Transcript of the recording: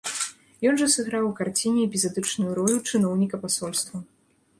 Ён жа сыграў у карціне эпізадычную ролю чыноўніка пасольства.